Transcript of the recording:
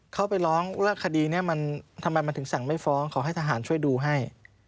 เขาไปร้องว่าคดีนี้มันทำไมมันถึงสั่งไม่ฟ้องขอให้ทหารช่วยดูให้